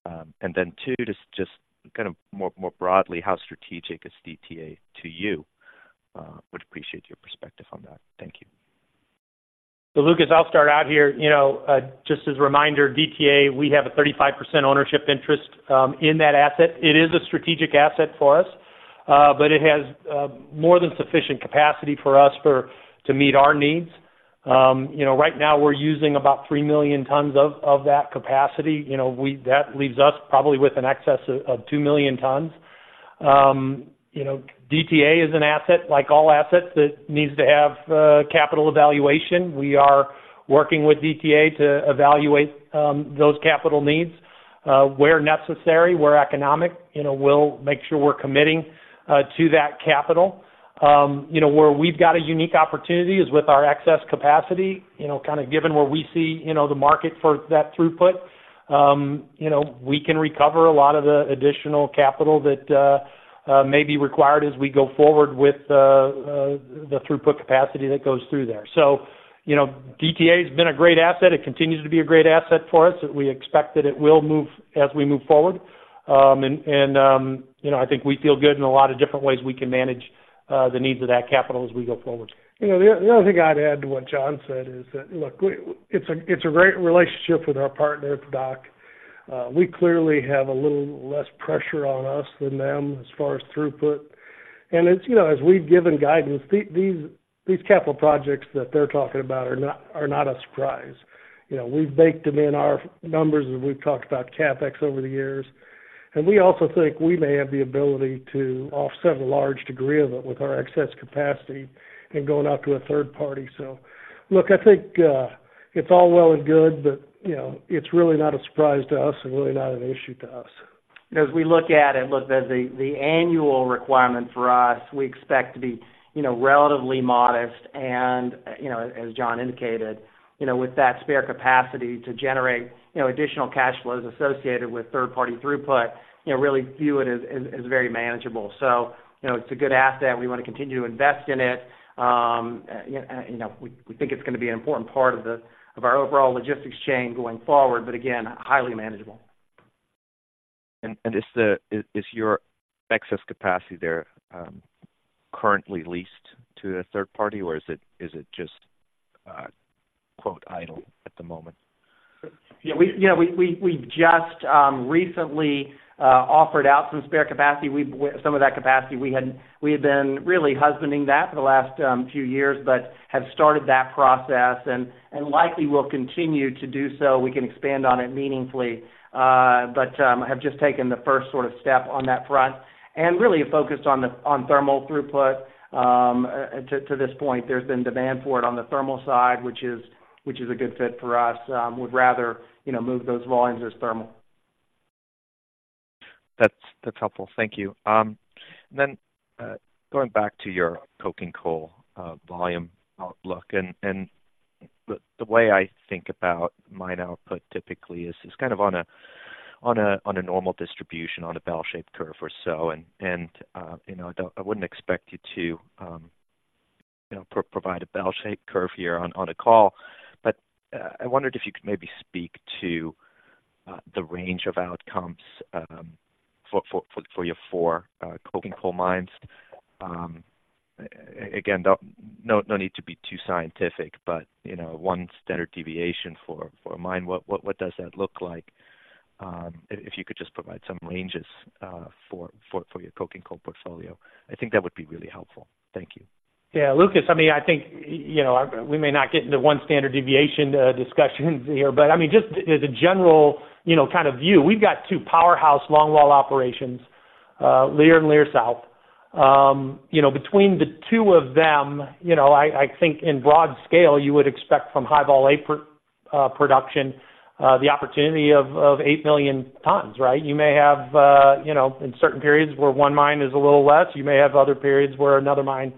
And then two, just kind of more broadly, how strategic is DTA to you? Would appreciate your perspective on that. Thank you. So Lucas, I'll start out here. You know, just as a reminder, DTA, we have a 35% ownership interest in that asset. It is a strategic asset for us, but it has more than sufficient capacity for us to meet our needs. You know, right now we're using about 3 million tons of that capacity. You know, that leaves us probably with an excess of 2 million tons. You know, DTA is an asset like all assets that needs to have capital evaluation. We are working with DTA to evaluate those capital needs. Where necessary, where economic, you know, we'll make sure we're committing to that capital. You know, where we've got a unique opportunity is with our excess capacity, you know, kind of given where we see, you know, the market for that throughput. You know, we can recover a lot of the additional capital that may be required as we go forward with the throughput capacity that goes through there. So, you know, DTA has been a great asset. It continues to be a great asset for us, and we expect that it will move as we move forward. And you know, I think we feel good in a lot of different ways we can manage the needs of that capital as we go forward. You know, the other thing I'd add to what John said is that, look, we, it's a great relationship with our partner at the dock. We clearly have a little less pressure on us than them as far as throughput. And as, you know, as we've given guidance, these capital projects that they're talking about are not a surprise. You know, we've baked them in our numbers, and we've talked about CapEx over the years. And we also think we may have the ability to offset a large degree of it with our excess capacity and going out to a third party. So look, I think it's all well and good, but, you know, it's really not a surprise to us and really not an issue to us. As we look at it, the annual requirement for us, we expect to be, you know, relatively modest. And, you know, as John indicated, you know, with that spare capacity to generate, you know, additional cash flows associated with third-party throughput, you know, really view it as very manageable. So, you know, it's a good asset. We want to continue to invest in it. You know, we think it's gonna be an important part of our overall logistics chain going forward, but again, highly manageable. Is your excess capacity there currently leased to a third party, or is it just quote idle at the moment? Yeah, we, you know, we just recently offered out some spare capacity. Some of that capacity we had been really husbanding for the last few years, but have started that process and likely will continue to do so. We can expand on it meaningfully, but have just taken the first sort of step on that front and really focused on thermal throughput. To this point, there's been demand for it on the thermal side, which is a good fit for us. Would rather, you know, move those volumes as thermal. That's helpful. Thank you. Then, going back to your coking coal volume outlook, and the way I think about mine output typically is kind of on a normal distribution, on a bell-shaped curve or so. And, you know, I don't. I wouldn't expect you to, you know, provide a bell-shaped curve here on a call. But, I wondered if you could maybe speak to the range of outcomes, for your four coking coal mines. Again, no need to be too scientific, but, you know, one standard deviation for a mine, what does that look like? If you could just provide some ranges, for your coking coal portfolio, I think that would be really helpful. Thank you. Yeah, Lucas, I mean, I think, you know, we may not get into one standard deviation discussion here, but, I mean, just as a general, you know, kind of view, we've got two powerhouse longwall operations, Leer and Leer South. You know, between the two of them, you know, I think in broad scale, you would expect from High-Vol A production the opportunity of 8 million tons, right? You may have, you know, in certain periods where one mine is a little less, you may have other periods where another mine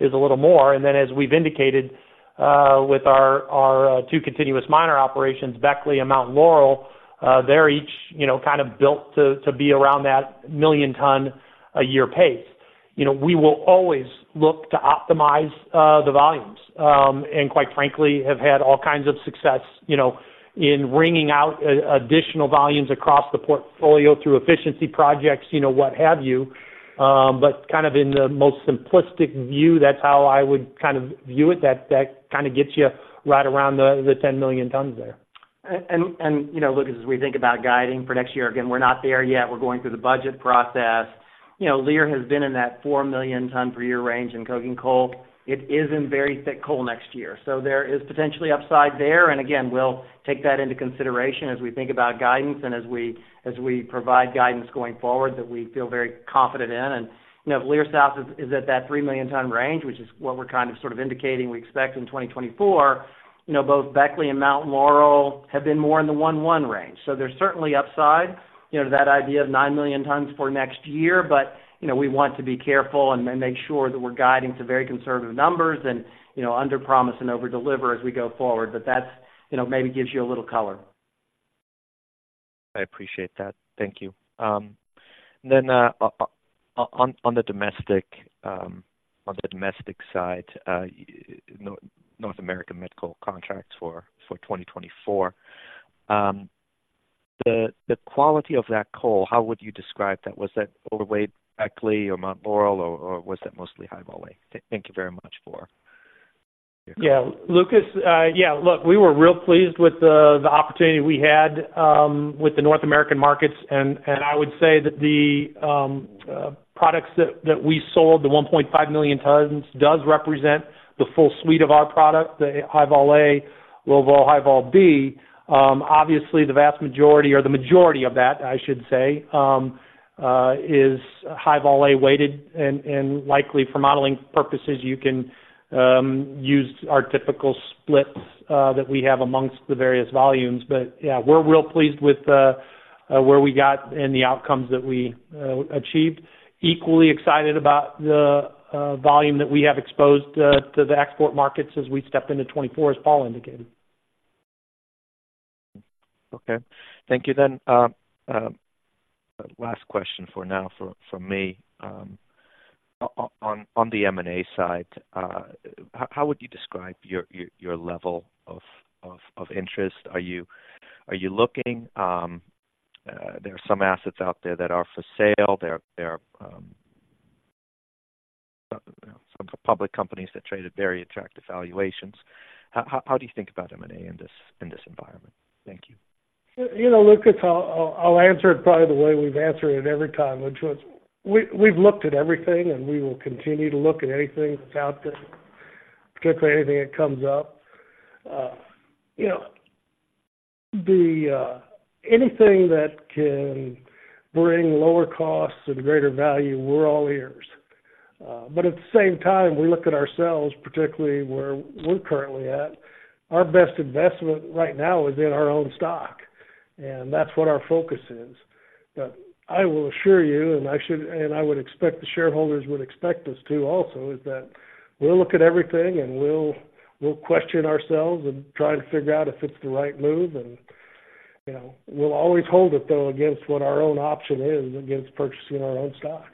is a little more. And then, as we've indicated, with our two continuous miner operations, Beckley and Mountain Laurel, they're each, you know, kind of built to be around that 1 million ton a year pace. You know, we will always look to optimize the volumes, and quite frankly, have had all kinds of success, you know, in wringing out additional volumes across the portfolio through efficiency projects, you know, what have you. But kind of in the most simplistic view, that's how I would kind of view it. That kind of gets you right around the 10 million tons there. You know, Lucas, as we think about guiding for next year, again, we're not there yet. We're going through the budget process. You know, Leer has been in that 4 million tons per year range in coking coal. It is in very thick coal next year, so there is potentially upside there. And again, we'll take that into consideration as we think about guidance and as we provide guidance going forward that we feel very confident in. And, you know, Leer South is at that 3 million ton range, which is what we're kind of sort of indicating we expect in 2024. You know, both Beckley and Mountain Laurel have been more in the 1-1 range. So there's certainly upside, you know, to that idea of 9 million tons for next year. But, you know, we want to be careful and make sure that we're guiding to very conservative numbers and, you know, under promise and overdeliver as we go forward. But that's, you know, maybe gives you a little color. I appreciate that. Thank you. Then, on the domestic side, North American metallurgical contracts for 2024, the quality of that coal, how would you describe that? Was that overweight Beckley or Mountain Laurel, or was that mostly High-Vol A? Thank you very much for your- Yeah, Lucas. Yeah, look, we were real pleased with the opportunity we had with the North American markets. And I would say that the products that we sold, the 1.5 million tons, does represent the full suite of our products, the High-Vol A, Low-Vol, High-Vol B. Obviously, the vast majority or the majority of that, I should say, is High-Vol A weighted. And likely for modeling purposes, you can use our typical splits that we have amongst the various volumes. But yeah, we're real pleased with where we got and the outcomes that we achieved. Equally excited about the volume that we have exposed to the export markets as we step into 2024, as Paul indicated. Okay. Thank you then, last question for now from me. On the M&A side, how would you describe your level of interest? Are you looking? There are some assets out there that are for sale. There are some public companies that trade at very attractive valuations. How do you think about M&A in this environment? Thank you. You know, Lucas, I'll answer it probably the way we've answered it every time, which we've looked at everything, and we will continue to look at anything that's out there, look at anything that comes up. You know, anything that can bring lower costs and greater value, we're all ears. But at the same time, we look at ourselves, particularly where we're currently at, our best investment right now is in our own stock, and that's what our focus is. But I will assure you, and I should, and I would expect the shareholders would expect us to also, is that we'll look at everything, and we'll question ourselves and try to figure out if it's the right move. And, you know, we'll always hold it, though, against what our own option is against purchasing our own stock.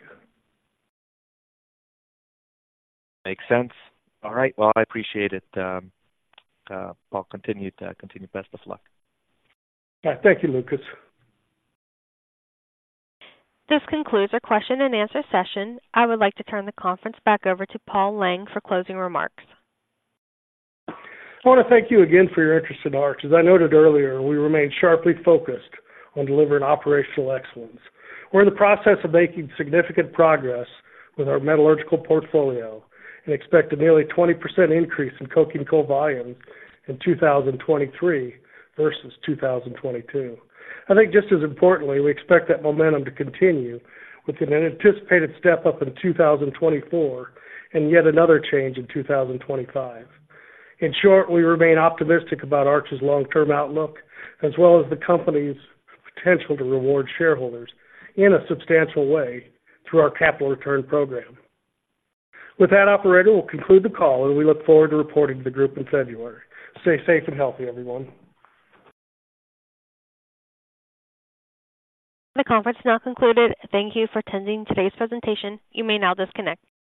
Makes sense. All right, well, I appreciate it. Well, continued best of luck. Thank you, Lucas. This concludes our question and answer session. I would like to turn the conference back over to Paul Lang for closing remarks. I want to thank you again for your interest in Arch. As I noted earlier, we remain sharply focused on delivering operational excellence. We're in the process of making significant progress with our metallurgical portfolio and expect a nearly 20% increase in coking coal volumes in 2023 versus 2022. I think just as importantly, we expect that momentum to continue with an anticipated step-up in 2024 and yet another change in 2025. In short, we remain optimistic about Arch's long-term outlook, as well as the company's potential to reward shareholders in a substantial way through our capital return program. With that, operator, we'll conclude the call, and we look forward to reporting to the group in February. Stay safe and healthy, everyone. The conference is now concluded. Thank you for attending today's presentation. You may now disconnect.